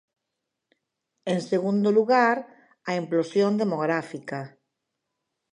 En segundo lugar, a implosión demográfica.